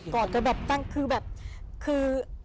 กอดก็แบบคือแบบคือ